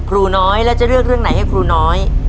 ครูน้อยแล้วจะเลือกเรื่องไหนให้ครูน้อย